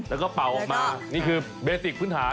แล้วก็เป่าออกมานี่คือเบติกพื้นฐาน